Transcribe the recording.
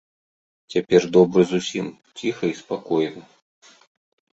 Цяпер добра зусім, ціха й спакойна.